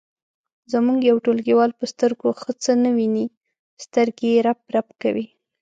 زموږ یو ټولګیوال په سترګو ښه څه نه ویني سترګې یې رپ رپ کوي.